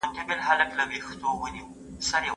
ځیني وايي چي وګړپوهنه اوس له ټولنپوهني جلا سوې ده.